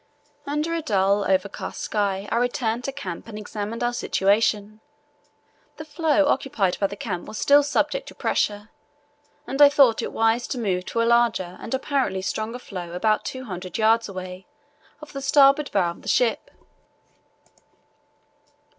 Under a dull, overcast sky I returned to camp and examined our situation. The floe occupied by the camp was still subject to pressure, and I thought it wise to move to a larger and apparently stronger floe about 200 yds. away, off the starboard bow of the ship.